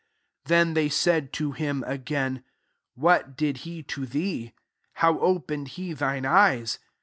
^ 26 TKen they said to him, again, " What did he to thee ? how opened he thine eyes?"